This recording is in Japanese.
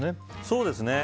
そうですね。